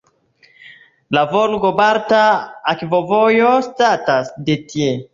La Volgo-Balta Akvovojo startas de tie.